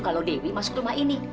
kalau dewi masuk rumah ini